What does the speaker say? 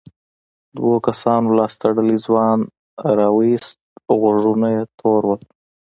دوو کسانو لاس تړلی ځوان راووست غوږونه یې تور وو.